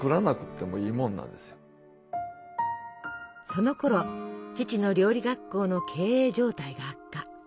そのころ父の料理学校の経営状態が悪化。